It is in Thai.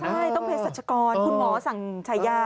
ใช่ต้องเป็นศักรรณ์คุณหมอสั่งจ่ายยา